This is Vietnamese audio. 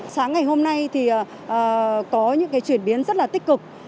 sáng ngày hôm nay thì có những cái chuyển biến rất là tích cực